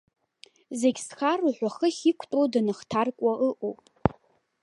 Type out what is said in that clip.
Зегь зхароу ҳәа хыхь иқәтәоу даныхҭаркуа ыҟоуп.